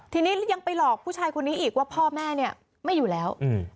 ทีนี้ยังไปหลอกผู้ชายคนนี้อีกว่าพ่อแม่เนี่ยไม่อยู่แล้ว